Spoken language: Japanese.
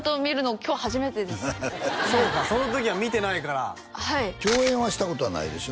今日初めてですそうかその時は見てないからはい共演はしたことはないでしょ？